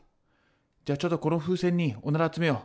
じゃあちょっとこの風船にオナラ集めよう。